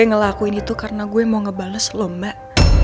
gue ngelakuin itu karena gue mau ngebales lo mbak